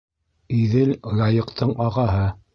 Иҙел- Яйыҡтыңағаһы